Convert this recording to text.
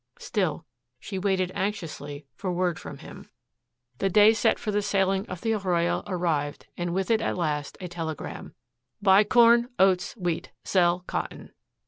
Still, she waited anxiously for word from him. The day set for the sailing of the Arroyo arrived and with it at last a telegram: "Buy corn, oats, wheat. Sell cotton."